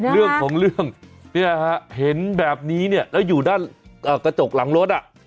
เรื่องของเรื่องเนี่ยฮะเห็นแบบนี้เนี่ยแล้วอยู่ด้านกระจกหลังรถอ่ะ